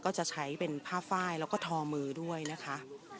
ก็จะใช้เป็นผ้าไฟล์แล้วก็ทอมือด้วยนะคะ